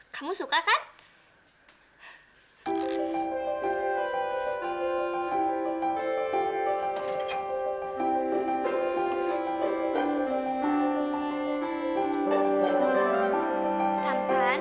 kamu suka kan